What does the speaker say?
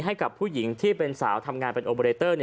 ให้กับผู้หญิงที่เป็นสาวทำงานเป็นโอเบรเตอร์